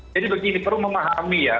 jadi begini perlu memahami ya